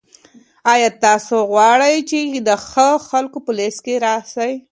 آیا تاسو غواړئ چي د ښه خلکو په لیست کي راسئ؟